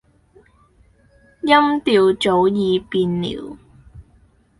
音調早已變了